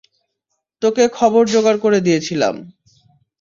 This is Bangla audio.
তোকে খবর জোগড় করে দিয়েছিলাম।